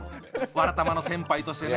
「わらたま」の先輩としてね。